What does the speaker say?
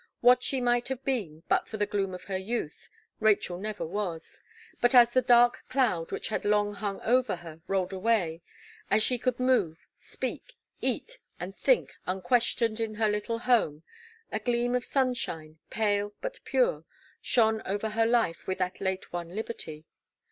What she might have been, but for the gloom of her youth, Rachel never was; but as the dark cloud, which had long hung over her, rolled away, as she could move, speak, eat, and think unquestioned in her little home, a gleam of sunshine, pale but pure, shone over her life with that late won liberty.